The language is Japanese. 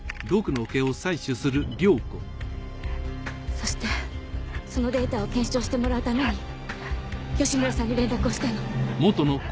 そしてそのデータを検証してもらうために芳村さんに連絡をしたの。